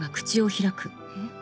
えっ？